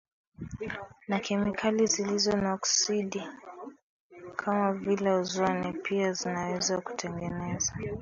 na kemikali zilizo na oksidi kv ozoni pia zinaweza kutengeneza